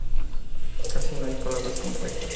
Casi no hay palabras compuestas.